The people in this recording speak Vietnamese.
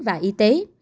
và y tế